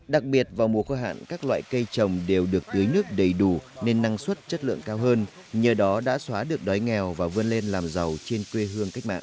đặc biệt vào mùa khô hạn các loại cây trồng đều được tưới nước đầy đủ nên năng suất chất lượng cao hơn nhờ đó đã xóa được đói nghèo và vươn lên làm giàu trên quê hương cách mạng